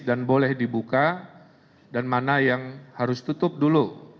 dan boleh dibuka dan mana yang harus tutup dulu